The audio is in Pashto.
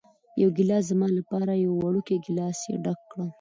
یو ګېلاس زما لپاره، یو وړوکی ګېلاس یې ډک کړ.